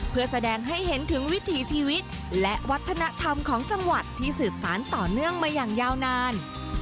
เพื่อแสดงให้เห็นถึงวิถีชีวิตและวัฒนธรรมของจังหวัดที่สืบสารต่อเนื่องมาอย่างยาวนาน